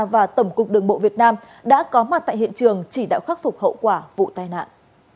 và tổng cục đường bộ việt nam đã có mặt tại hiện trường chỉ đạo khắc phục hậu quả vụ tai nạn